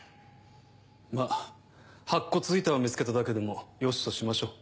まぁ白骨遺体を見つけただけでもよしとしましょう。